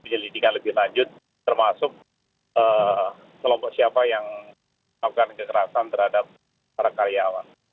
jadi lebih lanjut termasuk kelompok siapa yang melakukan kekerasan terhadap para karyawan